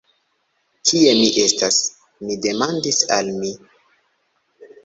Kie mi estas? mi demandis al mi.